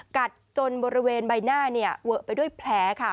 กัดจนบริเวณใบหน้าเนี่ยเวอะไปด้วยแผลค่ะ